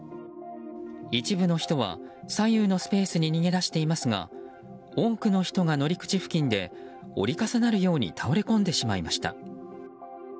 一部の人は、左右のスペースに逃げ出していますが多くの人が乗り口付近で折り重なるように倒れ込んでしまいました。